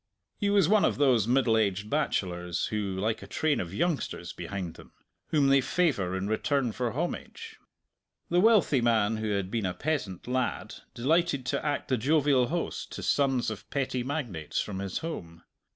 He was one of those middle aged bachelors who like a train of youngsters behind them, whom they favour in return for homage. The wealthy man who had been a peasant lad delighted to act the jovial host to sons of petty magnates from his home.